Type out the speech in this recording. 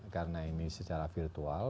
karena ini secara virtual